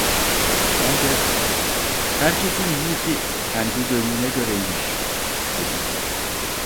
Ben de: "Herkesin yiğidi kendi gönlüne göreymiş!" dedim.